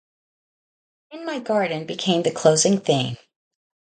"In My Garden" became the closing theme.